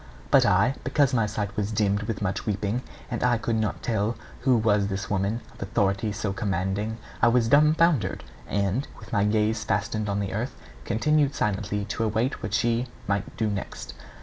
But I, because my sight was dimmed with much weeping, and I could not tell who was this woman of authority so commanding I was dumfoundered, and, with my gaze fastened on the earth, continued silently to await what she might do next.